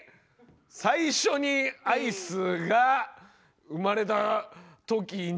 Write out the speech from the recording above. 最初にアイスが生まれた時に。